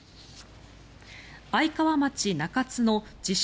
愛川町中津の自称